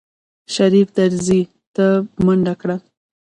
شريف دريڅې ته منډه کړه.